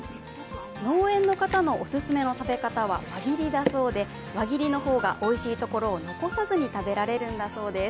農園の方のオススメの食べ方は輪切りだそうで輪切りの方がおいしいところを残さずに食べられるんだそうです。